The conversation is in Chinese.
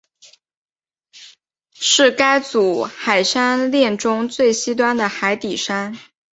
是该组海山炼中最西端的海底山。